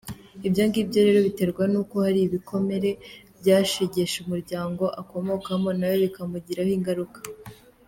Ibyo ngibyo rero biterwa n’uko hari ibikomere byashegeshe umuryango akomokamo nawe bikamugiraho ingaruka.